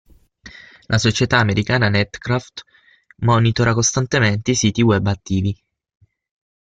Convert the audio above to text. La società americana Netcraft monitora costantemente i siti web attivi.